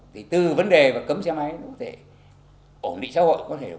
thì từ vấn đề cấm xe máy nó có thể ổn định xã hội